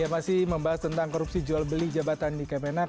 masih membahas tentang korupsi jual beli jabatan di kemenak